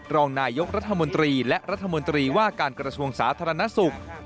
รองนายกรัฐมนตรีและรัฐมนตรีว่าการกระทรวงสาธารณสุข